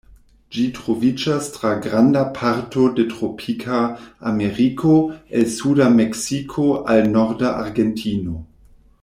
Ĝi troviĝas tra granda parto de tropika Ameriko, el suda Meksiko al norda Argentino.